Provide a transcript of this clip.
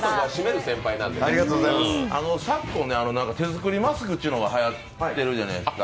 昨今、手作りマスクというのがはやっているじゃないですか。